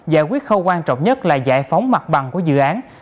giải quyết khâu quan trọng nhất là giải phóng mặt bằng của dự án